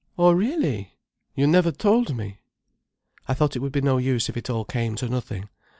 "Oh really! You never told me." "I thought it would be no use if it all came to nothing.